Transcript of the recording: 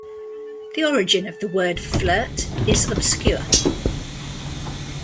The origin of the word "flirt" is obscure.